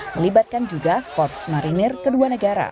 melibatkan juga korps marinir kedua negara